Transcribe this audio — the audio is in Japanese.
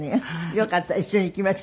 よかったら一緒に行きましょう。